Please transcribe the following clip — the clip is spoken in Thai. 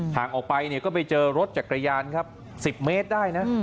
ทางออกไปก็ไปเจอรถจากกระยานครับ๑๐เมตรได้นะ